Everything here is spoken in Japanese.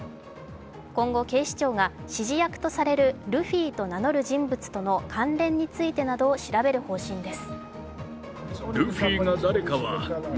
今後、警視庁が指示役とされるルフィと名乗る人物との関連についてなどを調べる方針です。